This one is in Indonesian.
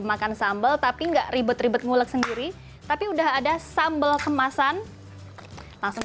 makan sambal tapi enggak ribet ribet ngulek sendiri tapi udah ada sambal kemasan langsung